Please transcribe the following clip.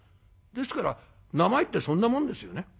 ですから名前ってそんなもんですよね。